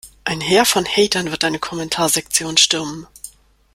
Ein Heer von Hatern wird deine Kommentarsektion stürmen.